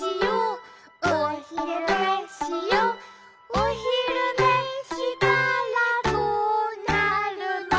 「おひるねしたらどなるの？」